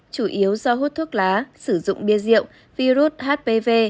chủ yếu do hút thuốc lá sử dụng bia rượu virus hpv